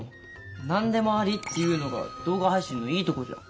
何でもありっていうのが動画配信のいいとこじゃん。